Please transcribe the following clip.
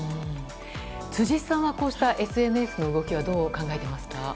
辻さんはこうしたＳＮＳの動きはどう考えていますか。